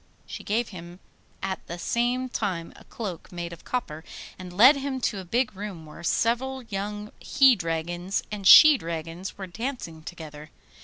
She gave him at the same time a cloak made of copper, and led him to a big room where several young he dragons and she dragons were dancing together.